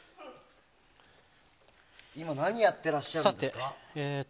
今、何をやっていらっしゃるんですか？